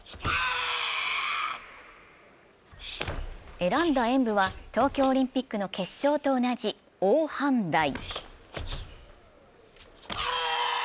選んだ演武は東京オリンピックの決勝と同じ「オーハンダイ」。